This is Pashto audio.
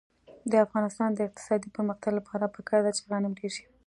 د افغانستان د اقتصادي پرمختګ لپاره پکار ده چې غنم ډېر شي.